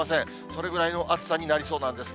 それぐらいの暑さになりそうなんです。